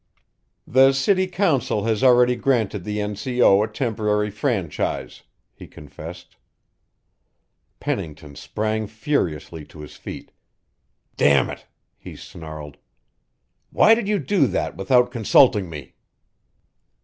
"The city council has already granted the N.C.O. a temporary franchise," he confessed. Pennington sprang furiously to his feet. "Dammit." he snarled, "why did you do that without consulting me?"